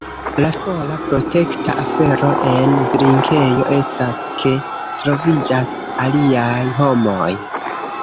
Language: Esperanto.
La sola protekta afero en drinkejo estas ke troviĝas aliaj homoj.